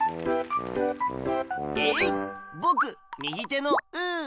えいっぼくみぎてのうー！